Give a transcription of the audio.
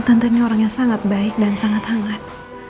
tentang ini orang yang sangat baik dan sangat hangat